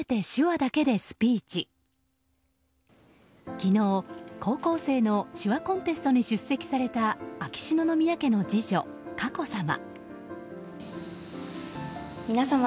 昨日、高校生の手話コンテストに出席された秋篠宮家の次女・佳子さま。